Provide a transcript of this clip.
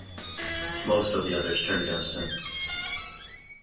Most of the others turn against him.